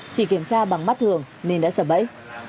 chỉ kiểm tra bằng mắt thường nên đã sập bẫy